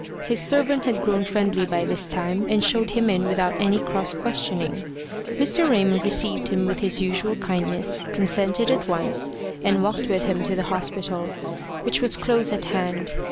His servant had grown friendly by this time, and showed him in without any cross questioning. Mr. Raymond received him with his usual kindness, consented at once, and walked with him to the Hospital, which was close at hand.